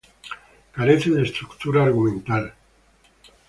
Carece de estructura argumental.